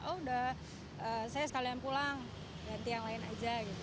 oh sudah saya sekalian pulang ganti yang lain saja